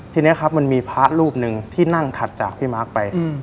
ทีนี้ครับมันมีพระรูปหนึ่งที่นั่งถัดจากพี่มาร์คไป